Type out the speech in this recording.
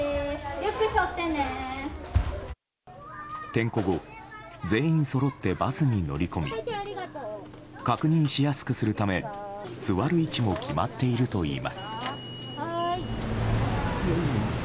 点呼後、全員そろってバスに乗り込み確認しやすくするため座る位置も決まっているといいます。